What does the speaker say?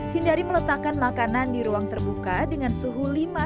hindari meletakkan makanan di ruang terbuka dengan suhu lima